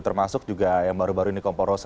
termasuk juga yang baru baru ini kompor rosa